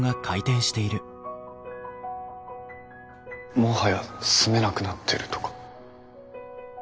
もはや住めなくなってるとか。